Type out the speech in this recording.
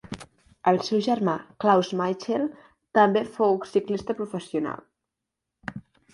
El seu germà Claus Michael també fou ciclista professional.